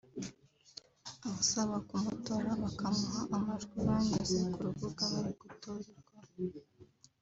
abasaba kumutora bakamuha amajwi banyuze ku rubuga bari gutorerwaho